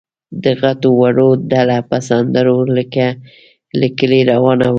د غټو وړو ډله په سندرو له کلي روانه وه.